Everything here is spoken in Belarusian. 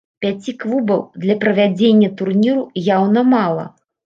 Пяці клубаў для правядзення турніру яўна мала.